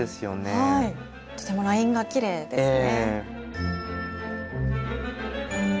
とてもラインがきれいですね。